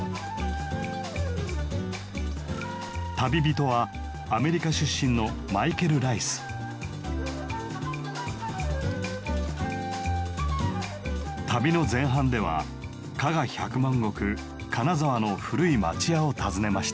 旅人はアメリカ出身の旅の前半では加賀百万石金沢の古い町家を訪ねました。